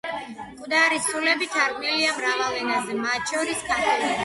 მკვდარი სულები თარგმნილია მრავალ ენაზე, მათ შორის ქართულადაც.